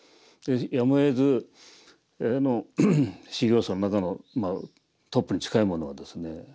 やむをえず修行僧の中のトップに近い者がですね